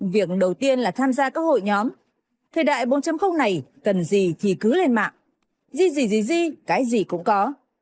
việc đầu tiên là tham gia các hội nhóm thời đại bốn trăm linh này cần gì thì cứ lên mạng gì gì gì gì cái gì cũng có